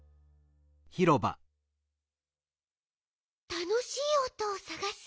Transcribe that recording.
たのしいおとをさがす？